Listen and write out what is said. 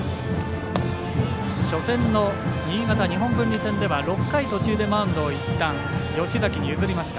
新潟・日本文理戦では６回途中でマウンドをいったん吉崎に譲りました。